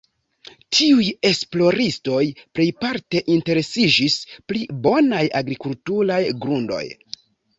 Tiuj esploristoj plejparte interesiĝis pri bonaj agrikulturaj grundoj.